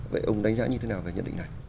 vậy ông đánh giá như thế nào về nhận định này